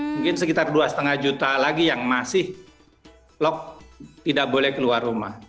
mungkin sekitar dua lima juta lagi yang masih lock tidak boleh keluar rumah